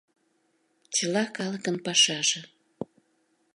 ЧЫЛА КАЛЫКЫН ПАШАЖЕ